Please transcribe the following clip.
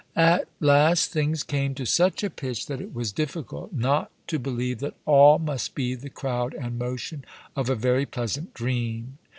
At last things came to such a pitch that it was difficult not to believe that all must be the crowd and motion of a very pleasant dream.